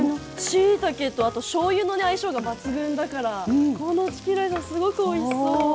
しいたけとあとしょうゆのね相性が抜群だからこのチキンライスもすごくおいしそう。